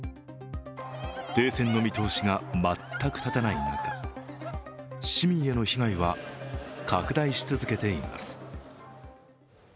停戦の見通しが全く立たない中、市民への被害は拡大し続けています。